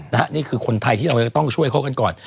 นี่คือคนไทยที่เราจะต้องช่วยเขากันก่อน